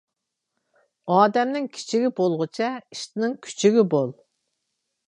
ئادەمنىڭ كىچىكى بولغۇچە، ئىتنىڭ كۈچۈكى بول.